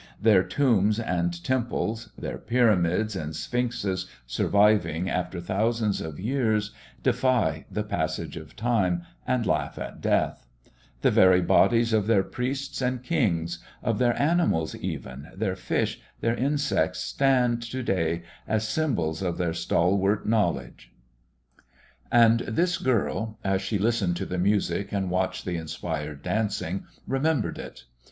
Their tombs and temples, their pyramids and sphinxes surviving after thousands of years, defy the passage of time and laugh at death; the very bodies of their priests and kings, of their animals even, their fish, their insects, stand to day as symbols of their stalwart knowledge. And this girl, as she listened to the music and watched the inspired dancing, remembered it.